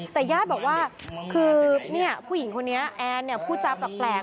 แต่ญาติบอกว่าคือผู้หญิงคนนี้แอนพูดจาแปลก